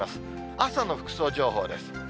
朝の服装情報です。